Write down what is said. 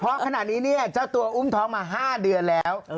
เพราะขณะนี้เนี่ยเจ้าตัวอุ้มท้องมา๕เดือนแล้ว